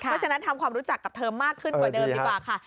เพราะฉะนั้นทำความรู้จักกับเธอมากขึ้นกว่าเดิมดีกว่าค่ะ